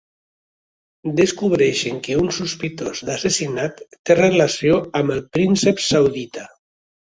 Descobreixen que un sospitós d'assassinat té relació amb el príncep saudita